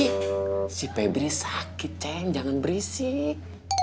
si pebri sakit ceng jangan berisik si pebri sakit ceng jangan berisik